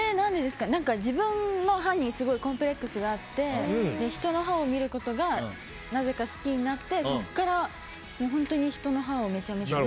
自分の歯にすごいコンプレックスがあって人の歯を見ることがなぜか好きになってそこから本当に人の歯をめちゃくちゃ。